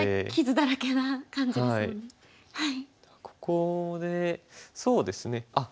ここでそうですね。